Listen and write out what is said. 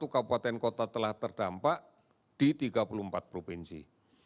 satu ratus tiga puluh satu kabupaten kota telah terdampak di tiga puluh empat provinsi